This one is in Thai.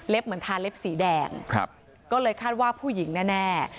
เหมือนทาเล็บสีแดงก็เลยคาดว่าผู้หญิงแน่